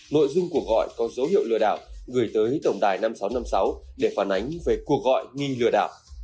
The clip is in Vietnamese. nội dung cuộc gọi có dấu hiệu lừa đảo gửi tới tổng đài năm nghìn sáu trăm năm mươi sáu để phản ánh về cuộc gọi nghi lừa đảo